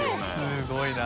すごいな。